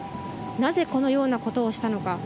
なぜこのようなことをしたのか。